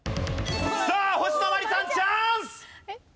さあ星野真里さんチャンス！